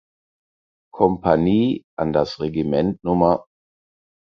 Kompanie an das Regiment Nr.